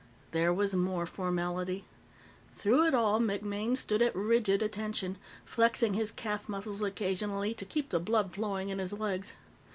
There was more formality. Through it all, MacMaine stood at rigid attention, flexing his calf muscles occasionally to keep the blood flowing in his legs.